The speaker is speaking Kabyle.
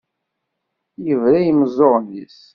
Yebra i yimeẓẓuɣen-is.